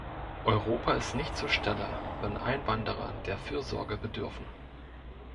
Europa ist nicht zur Stelle, wenn Einwanderer der Fürsorge bedürfen.